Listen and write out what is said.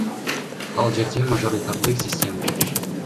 Ал жерде мажоритардык система.